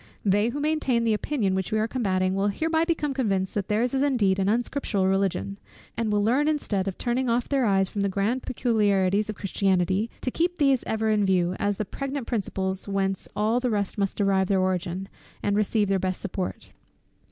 They who maintain the opinion which we are combating, will hereby become convinced that their's is indeed an unscriptural Religion; and will learn instead of turning off their eyes from the grand peculiarities of Christianity, to keep these ever in view, as the pregnant principles whence all the rest must derive their origin, and receive their best support.